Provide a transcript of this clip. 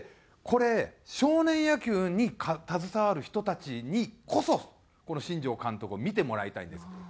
これ少年野球に携わる人たちにこそこの新庄監督を見てもらいたいんです。